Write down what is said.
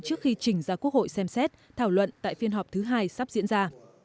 trước khi trình ra quốc hội xem xét thảo luận tại phiên họp thứ hai sắp diễn ra